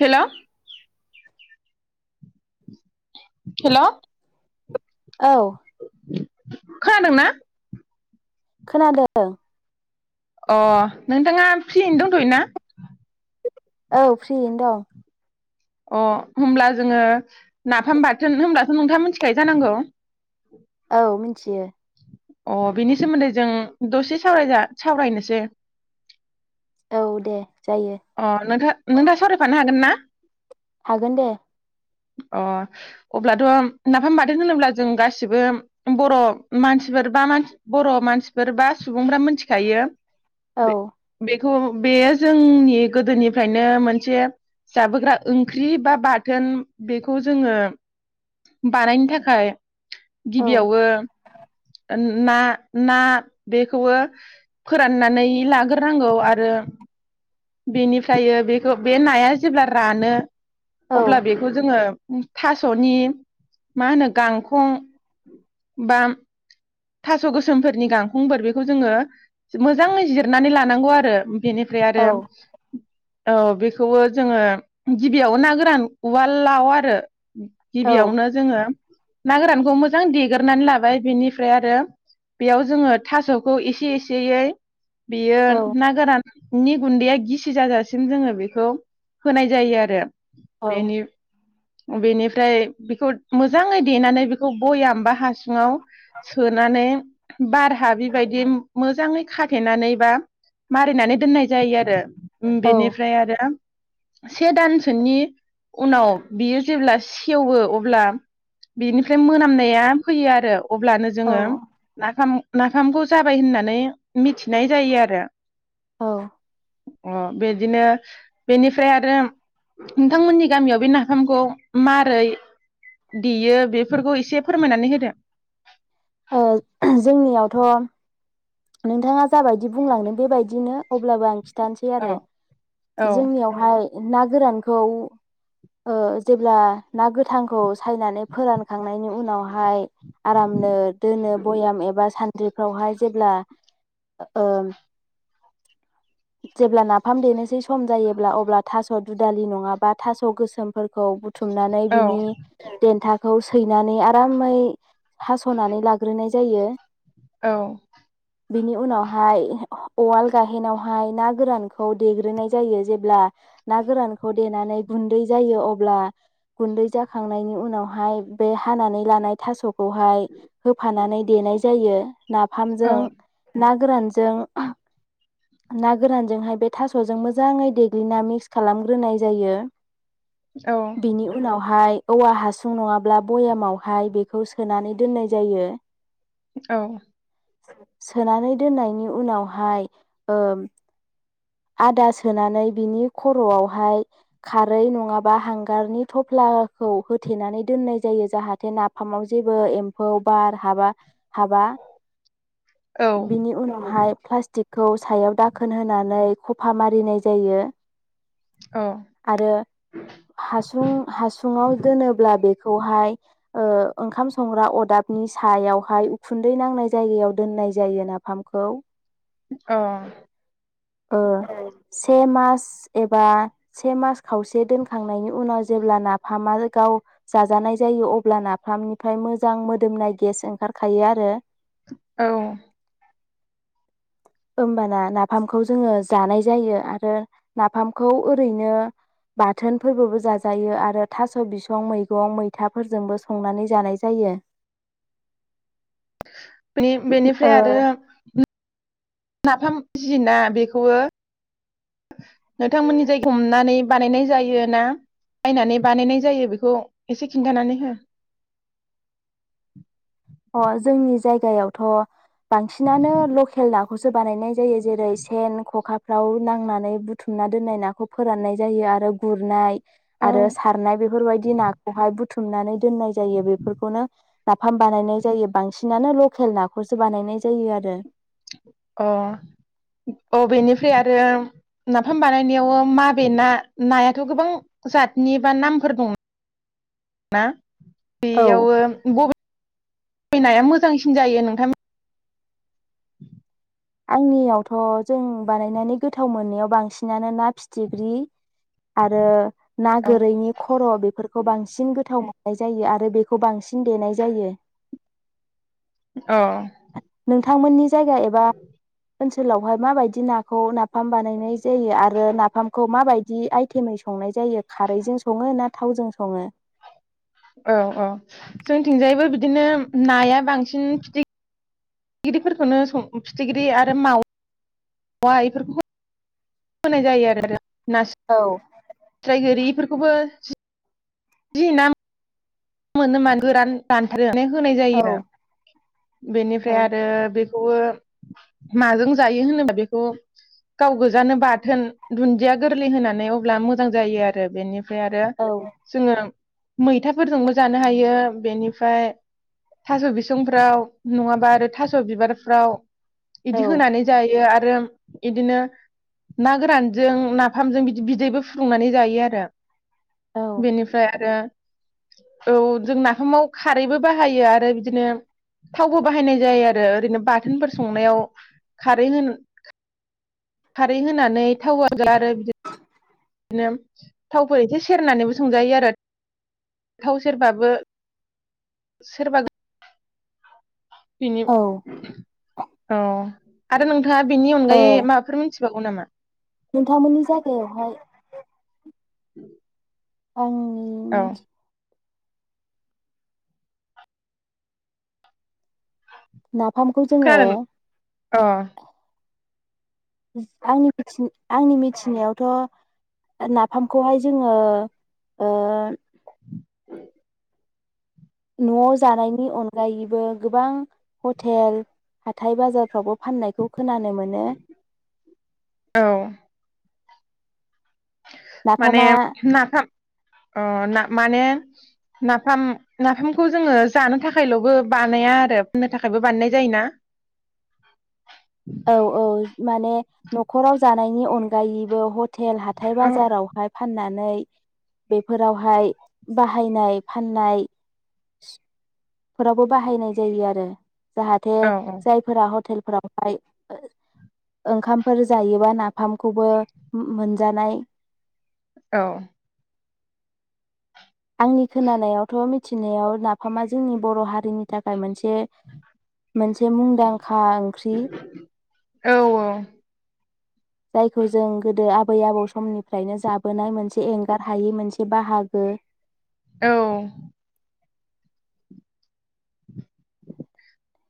Hello hello औ खोनादोंना? खोनादों। अ नोंथाङा फ्रियैनो दंथ'यो ना? औ फ्रियैनो दं। अ होमब्ला जोंङो नाफाम बाथोन होमब्लाथ' नोंथाङा मोनथिखायो जानांगौ। औ मोनथियो अ बिनि सोमोन्दै जों दसे सावजा सावरायनोसै औ दे। जायो अ नोंथा नोंथाङा सावरायफानो हागोन ना? हागोन दे अ अब्लाथ' नाफाम बाथोन होनोब्ला जों गासिबो बर' मानसिफोर बा मान बर' मानसिफोर बा सुबुंफ्रा मोनथिखायो। औ बे बे खौ बेयो जोंनि [unintelligible] गोदोनिफ्रायनो मोनसे जाबोग्रा ओंख्रि बा बाथोन बेखौ जोङो बानायनो थाखाय औ गिबियावबो ना ना बेखौबो फोराननानै लाग्रोनांगौ आरो बेनिफ्राय बेखौ बे नाया जेब्ला रानो। औ अब्ला बेखौ जोंङो थास'नि मा होनो गांखं बा थास' गोसोमफोरनि गांखंफोर बेखौ जोङो मोजाङै जिरनानै लानांगौ आरो बेनिफ्राय औ आरो औ बेखौबो जोङो गिबियाव ना गोरान उवाललाव आरो। औ गिबियावनो जोङो ना गोरानखौ मोजां देगोरनानै लाबाय बेनि ओमफ्राय आरो बेयाव जोङो थास'खौ एसे एसेयै बियो ना गोरान नि गुन्दैया गिसि जाजासिम जोङो बेखौ होनाय जायो आरो। औ बेनि बेनिफ्राय बेखौ मोजाङै देनानै बेखौ बयाम बा हासुङाव बारहाबि बायदि मोजाङै खाथेनानै बा मारिनानै दोननाय जायो आरो बेनिफ्राय आरो से दानसोनि उनाव बियो जेब्ला सेवो अब्ला बिनिफ्राय मोनामनाया फैयो आरो अब्ला औ जोङो नाफाम नाफामखौ जाबाय होननानै मिथिनाय जायो आरो औ अ बे बिदिनो बेनिफ्राय आरो नोंथांमोननि गामियाव बे नाफामखौ मारै देयो बेफोरखौ एसे फोरमायनानै होदो? औ जोंनियावथ' नोंथाङा जाबायदि बुंलांदों बेबायदिनो अब्लाबो आं थानोसै औ आरो औ जोंनियावहाय ना गोरानखौ ओ जेब्ला ना गोथांखौ सायनानै फोरानखांनायनि उनाव हाय आरामनो दोनो बयाम एबा सानद्रिफ्रावहाय जेब्ला ओ जेब्ला नाफाम देनोसै सम जायोब्ला अब्ला थास' दुदालि नङाबा थास' गोसोमफोरखौ बु बुथुमनानै औ बिनि देनथा खौ सैनानै आरामै हास'नानै लाग ग्रोनाय जायो। औ बिनि उनावहाय उवाल गाहेनावहाय ना गोरानखौ देग्रोनाय जायो जेब्ला ना गोरानखौ देनानै गुन्दै जायो अब्ला गुन्दै जाखांनायनि उनावहाय बे हानानै लानाय थास'खौहाय होफानानै देनाय जायो। औ नाफामजों ना गोरानजों ना गोरानजोंहाय बे थास'जों मोजाङै देग्लिना मिक्स खालामग्रोनाय जायो। औ बेनि उनावहाय औवा हासुं नङाब्ला बयामावहाय बेखौ सोनानै दोननाय जायो। औ। सोनानै दोननायनि उनावहाय ओ आदा सोनानै बिनि खर'आवहाय खारै नङाबा हांगारनि थफ्लाखौ होथेनानै दोननाय जायो जाहाथे नाफामाव जेबो एम्फौ बार हाबा। हाबा बिनि उनावहाय प्लास्टिक खौ सायाव दाखोन होनानै खफा मारिनाय जायो औ आरो हासुं हासुङाव दोनोब्ला बे खौहाय ओ ओंखाम संग्रा अदाबनि सायावहाय उखुन्दै नांनाय जायगायाव दोननाय जायो नाफामखौ अ ओ से मास एबा से मास खावसे दोनखांनायनि उनाव जेब्ला नाफामा गाव जाजानाय जायो अब्ला नाफामनिफ्राय मोजां मोदोमनाय गेस ओंखारखायो आरो औ। ओमबाना नाफामखौ जोङो जानाय जायो आरो नाफामखौ ओरैनो बाथोनफोरजोंबो जाजायो आरो थास' बिसं मैगं मैथाफोरजोंबो संनानै जानाय जायो। बे बेनिफ्राय ओ आरो नाफाम जि ना बेखौ नोंथांमोननि जाय हमनानै बानायनाय जायो ना बायनानै बानायनाय जायो बेखौ एसे खिन्थानानै हो अ जोंनि जायगायावथ' बांसिनानो लकेल ना खौसो बानायनाय जायो जेरै सेन खखाफ्राव नांनानै बुथुमना दोननाय नाखौ फोराननाय जायो आरो गुरनाय औ आरो सारनाय बेफोरबायदि नाखौहाय बुथ थुमनानै दोननाय जायो बेफोरखौनो नाफाम बानायनाय जायो बांसिनानो लकेल नाखौसो बानायनाय जायो आरो अ अ बेनिफ्राय आरो नाफाम बानायनायाव माबे ना नायाथ' गोबां जातनि बा नामफोर दं ना? औ बेयावो बबे नाया मोजांसिन जायो नोंथांनि आंनियावथ' जों बानायनानै गोथाव मोननायाव बांसिनानो ना फिथिख्रि आरो ना औ गोरैनि खर' बेफोरखौ बांसिन गोथाव मो नाय जायो आरो बेखौ बांसिन देनाय जायो ओ थांमोननि जायगा एबा ओनसोलावहाय माबायदि नाखौ नाफाम बानायनाय जायो आरो नाफामखौ माबायदि आइटेमै संनाय जायो खारैजों सङो ना थावजों सङो? औ औ जोंथिंजायबो बिदिनो नाया बांसिन फिथि फिथिग्रिफोरखौनो स फिथिग्रि आरो माव वा बेफोरखौ नाय जायो आरो औ ट्राय गोरिफोरखौबो जि नाम मोनो मानो गोरान रानथारो [unintelligible] होनाय जायो रा औ बेनिफ्राय आरो बे [unintelligible] ओमफ्राय आरो औ जोङो मैथाफोरजोंबो जानो हायो बेनिफ्राय थास' बिसंफ्राव नङाबा आरो थास' बिबारफ्राव इदि होनानै जायो आ आरो इदिनो ना गोरानजों नाफामजों बिदि बिदैबो फुदुंनानै जायो आरो औ बेनिफ्राय आरो औ जों नाफामाव खारैबो बाहायो आरो बिदिनो थावबो बाहायनाय जायो आरो ओरैनो बाथोनफोर संनायाव खारै होन खारै होनानै थाव [unintelligible] बिदिनो थावफोर एसे सेरनानैबो संजायो आरो थाव सेरबाबो सेरबा बिनि औ आरो नों थाङा बेनि औ अनगायै माफोर मोनथि बावगौ नामा नोंथांमोननि जायगायावहाय [inaudible] औ आंनि नाफामखौ जोङो खोनादों अ [unintelligible] आंनि मिथिनायावथ' नाफामखौहाय जोङो ओ न'वाव जानायनि अनगायैबो गोबां हटेल हाथाय बाजारफ्रावबो फाननायखौ खोनानो मोनो। औ माने नाफामा नाफाम अ ना माने नाफाम नाफामखौ जोङो जानो थाखायल'बो बानाया आरो फाननो थाखायबो बानायनाय जायोना? औ औ माने न'खराव जानायनि अनगायैबो ह टेल हाथाय औ बाजारावहाय फानना नै बेफोरावहाय बाहायनाय फाननाय बेफोरावबो बाहायनाय जायो आरो। जाहाथे औ औ जायफोरा हटेल फोरावहाय ओंखामफोर जायोबा नाफामखौबो मोनजानाय औ। आंनि खोनानायावथ' मिथिनायाव नाफामा जोंनि बर' हारिनि थाखाय मोन से मोनसे मुंदांखा ओंख्रि औ जायखौ जों गोदो आबै आबौ समनिफ्रायनो जाबोनाय मोनसे एंगारहायि मोनसे बाहागो। औ।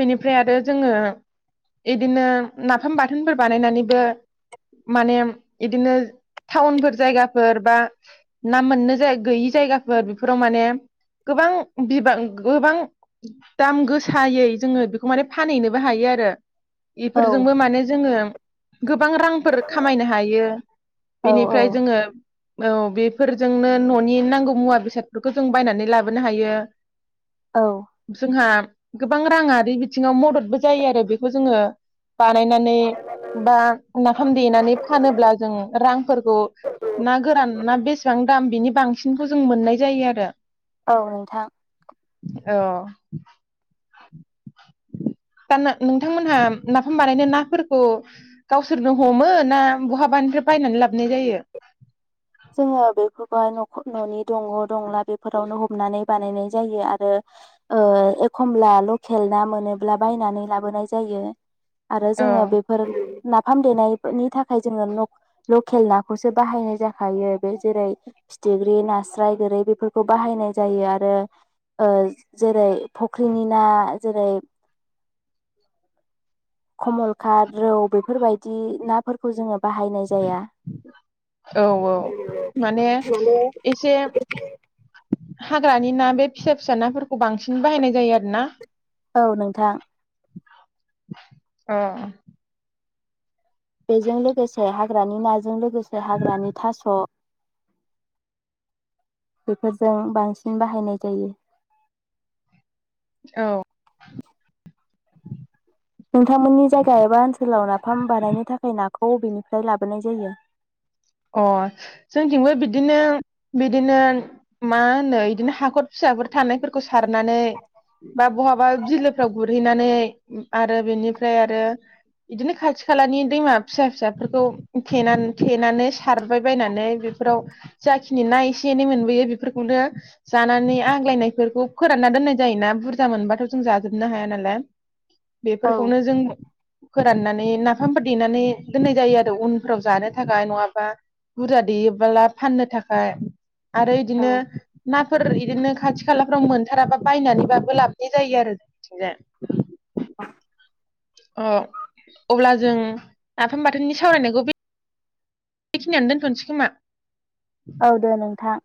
बेनिफ्राय आरो जोङो इदिनो नाफाम बाथोनफोर बानायनानैबो माने इदिनो टाउनफोर जायगाफोर बा ना मोननो गैयि जायगाफोर बेफोराव माने गोबां बिबां गोबां दाम गोसायै जोङो बेखौ माने फानहैनोबो हायो आरो औ बेफोरजोंबो माने जोङो गोबां रांफोर खामायनो हायो औ बेनिफ्राय औ जोङो औ बेफोरजोंनो न'नि नांगौ मुवा बेसादफोरखौ जों बायनानै लाबोनो हायो। औ जोंहा गोबाङा राङारि बिथिङाव मददबो जायो आरो बेखौ जोङो बानायनानै बा नाफाम देनानै फानोब्ला जों रांफोरखौ ना गोरान ना बेसां दाम बिनि बांसिनखौ जों मोननाय जायो आरो औ नोंथां। अ। दा नोंथांमोनहा नाफाम बानायनो नाफोरखौ गावसोरनो हमो ना बहाबानिफ्राय बायनानै लाबनाय जायो? जोङो बेफोरखौहाय न'खर न'नि दंग' दंला बेफोरावनो ह नानेै बानायनाय जायो आरो ओ एखमब्ला लखेल ना मोनो ला बायनानै लाबोनाय जायो। आरो औ जोङो बेफोर नाफाम देनायनि थाखाय जोङो लक-लकेल नाखौसो बाहायनाय जा हायो बे जेरै फिथिग्रि, नास्राय, गोरै बेफोरखौ बाहायनाय जायो आरो ओ जेरै फख्रिनि ना जेरै खमलकाथ रौ बेफोरबायदि नाफोरखौ जोङो बाहायनाय जाया। औ औ माने एसे हाग्रानि ना बे फिसा फिसा नाफोरखौ बांसिन बाहायनाय जायो आरो ना। औ नोंथां। अ। बेजों लोगोसे हाग्रानि नाजों लोगोसे हाग्रानि थास' बेफोरजों बांसिन बाहायनाय जायो। औ। नोंथांमोननि जायगा एबा ओनसोलाव नाफाम बानायनो थाखाय नाखौ बेनिफ्राय लाबोनाय जायो। अ जोंथिंबो बिदिनो बिदिनो मा होनो इदिनो हाखर फिसाफोर थानायफोरखौ सारनानै बा बहाबा बिलोफ्राव गुरहैनानै आरो बेनिफ्राय आरो बिदिनो खाथि खालानि दैमा फिसा फिसाफोरखौ थेनानै थेनानैस सारबाय बायनानै बेफोराव जाखिनि ना एसे एनै मोनबोयो बेफोरखौनो जानानै आग्लायनायफोरखौ फोरानना दोननाय जायोना बुरजा मोनबाथ' जों जाजोबनो हाया नालाय। औ बेफोरखौनो जों फोराननानै नाफामफोर देनानै दोननाय जायो आरो उनफोराव जानो थाखाय नङा बा बुरजा देयोबोला फाननो थाखाय आरो औ इदिनो नाफोर इदिनो खाथि खालाफ्राव मोनथाराबा। बायनानैबाबो लाबोनाय जायो आरो जों बिथिंजाय। [unintelligible] अ अब्ला जों नाफाम बाथोननि सावरायनायखौ बेखिनियावनो दोन्थ'नोसै खोमा। औ दे नोंथां।